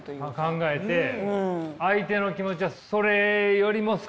考えて相手の気持ちはそれよりも少なかった。